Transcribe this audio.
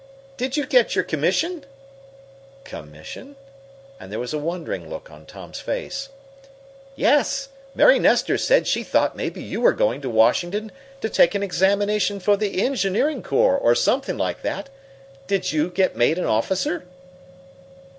"Did you get your commission?" "Commission?" And there was a wondering look on Tom's face. "Yes. Mary Nestor said she thought maybe you were going to Washington to take an examination for the engineering corps or something like that. Did you get made an officer?"